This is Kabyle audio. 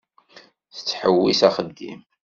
Tettḥewwis axeddim.